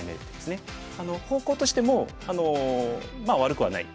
方向としてもまあ悪くはない。